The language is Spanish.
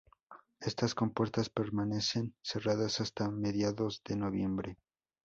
Estas compuertas permanecen cerradas hasta mediados de noviembre.